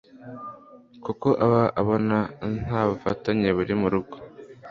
kuko aba abona nta bufatanye buri mu rugo